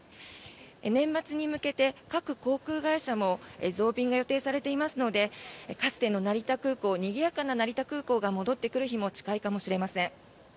年末に向けて各航空会社も増便が予定されていますのでかつての成田空港にぎやかな成田空港が戻ってくる日も近いかもしれません。